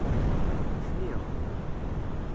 Ḥmiɣ.